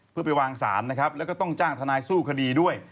เพื่อวางศาลและก็ต้องจ้างธนายสู้คดีด้วย